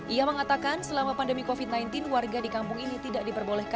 ia mengatakan selama pandemi covid sembilan belas warga di kampung ini tidak diperbolehkan